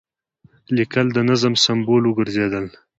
لیکل د نظم سمبول وګرځېدل.